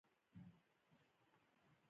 وایي چې یو غریب له یو هوښیار سړي سره شکایت وکړ.